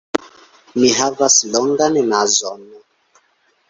Mi havas longan nazon.